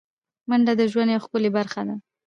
منډه د ژوند یوه ښکلی برخه ده